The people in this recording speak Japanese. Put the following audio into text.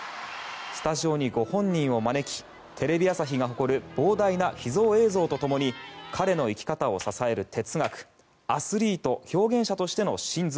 スタジオにご本人を招きテレビ朝日が誇る膨大な秘蔵映像と共に彼の生き方を支える哲学アスリート表現者としての真髄。